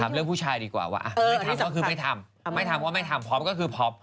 เรื่องผู้ชายดีกว่าว่าไม่ทำก็คือไม่ทำไม่ทำก็ไม่ทำพร้อมก็คือพร้อม